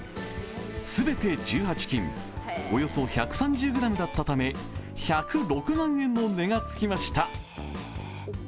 全て１８金、およそ１３０ｇだったため１０６万円の値が付きました。